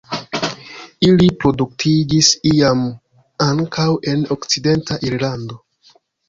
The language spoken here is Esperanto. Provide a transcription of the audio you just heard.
Ili reproduktiĝis iam ankaŭ en okcidenta Irlando.